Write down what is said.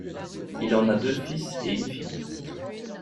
Il en a deux fils et une fille.